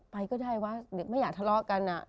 ไปก็ได้วะไม่อยากทะเลาะกันอ่ะ